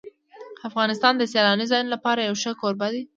افغانستان د سیلاني ځایونو لپاره یو ښه کوربه دی.